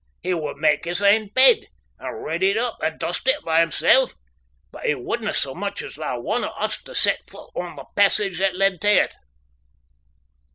He would mak' his ain bed, and red it up and dust it a' by himsel', but he wouldna so much as allow one o' us to set fut on the passage that led tae it.